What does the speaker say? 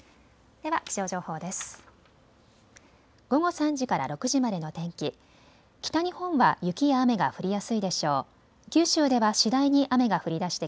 では気象情報です。